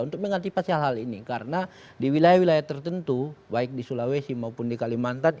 untuk mengantisipasi hal hal ini karena di wilayah wilayah tertentu baik di sulawesi maupun di kalimantan